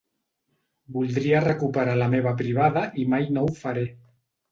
Voldria recuperar la meva privada i mai no ho faré.